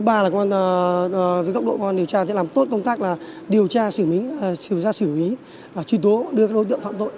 công an điều tra sẽ làm tốt công tác là điều tra xử lý truy tố đưa các đối tượng phạm tội